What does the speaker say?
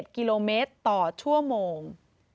๗กิโลเมตรต่อชั่วโมง